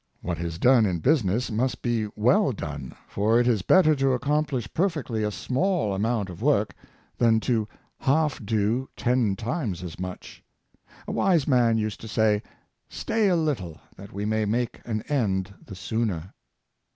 What is done in business must be well done; for it is better to accomplish per fectly a small amount of work, than to half do ten times as much. A wise man used to say, ''Stay a little, that we may make an end the sooner.''